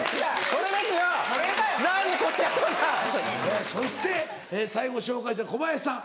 そして最後紹介したい小林さん。